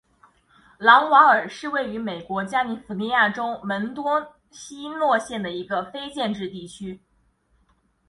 朗瓦尔是位于美国加利福尼亚州门多西诺县的一个非建制地区。